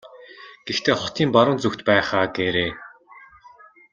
Гэхдээ хотын баруун зүгт байх аа гээрэй.